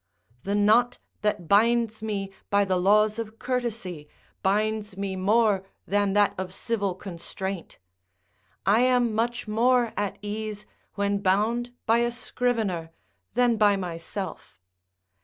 The knot that binds me by the laws of courtesy binds me more than that of civil constraint; I am much more at ease when bound by a scrivener, than by myself.